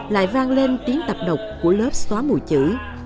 lại vang lên tiếng tập đọc của lớp xóa mùi chữ